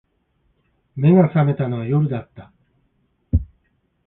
眼が覚めたのは夜だった